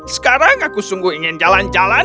sekarang aku sungguh ingin jalan jalan